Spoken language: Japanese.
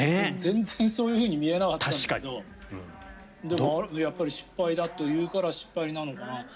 全然そういうふうに見えなかったんだけどやっぱり失敗だというから失敗なのかな。